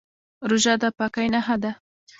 روژه د پاکۍ نښه ده.